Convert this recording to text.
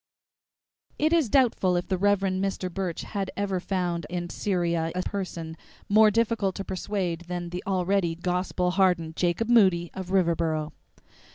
II It is doubtful if the Rev. Mr. Burch had ever found in Syria a person more difficult to persuade than the already "gospel hardened" Jacob Moody of Riverboro.